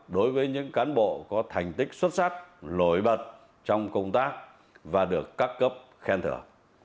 đối với những cán bộ có thành tích xuất sắc nổi bật trong công tác và được các cấp khen thưởng